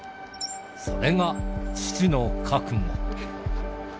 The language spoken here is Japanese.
それが父の覚悟。